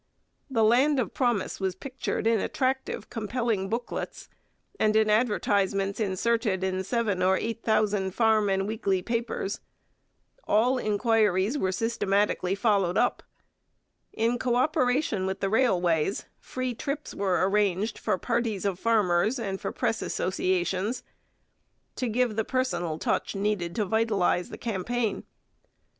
The land of promise was pictured in attractive, compelling booklets, and in advertisements inserted in seven or eight thousand farm and weekly papers. All inquiries were systematically followed up. In co operation with the railways, free trips were arranged for parties of farmers and for press associations, to give the personal touch needed to vitalize the campaign.